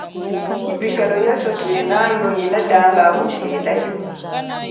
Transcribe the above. Upikalo weswe tulinao inatela kumuselao.